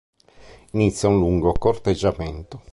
Inizia un lungo corteggiamento.